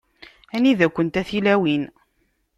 Anida-kent a tilawin?